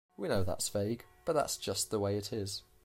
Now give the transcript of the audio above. We know that's vague, but that's just the way it is.